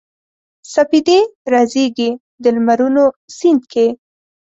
سپیدې رازیږي د لمرونو سیند کې